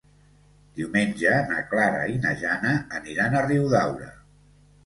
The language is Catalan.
Diumenge na Clara i na Jana aniran a Riudaura.